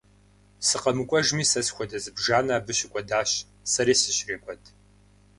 СыкъэмыкӀуэжми, сэ схуэдэ зыбжанэ абы щыкӀуэдащ, сэри сыщрекӀуэд.